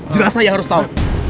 jelas saya harus tau